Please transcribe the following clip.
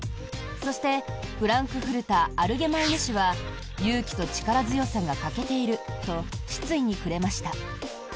そして、フランクフルター・アルゲマイネ紙は勇気と力強さが欠けていると失意に暮れました。